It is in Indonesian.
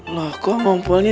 lah kok ompolnya